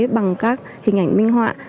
bằng các hình ảnh minh họa